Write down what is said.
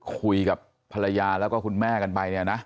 คุยกับภรรยาแล้วก็คุณแม่กันไปเนี่ยนะ